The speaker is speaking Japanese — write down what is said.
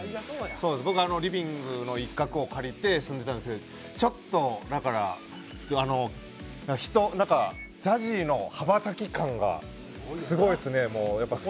僕はリビングの一角を借りて住んでいたんですけど、ちょっと、ＺＡＺＹの羽ばたき感がすごいですね。